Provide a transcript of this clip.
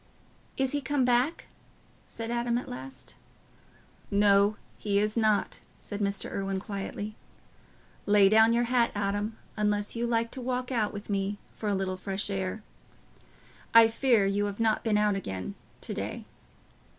"Is he come back?" said Adam at last. "No, he is not," said Mr. Irwine, quietly. "Lay down your hat, Adam, unless you like to walk out with me for a little fresh air. I fear you have not been out again to day."